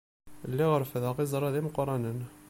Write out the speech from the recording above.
Lliɣ reffdeɣ iẓra d imeqranen.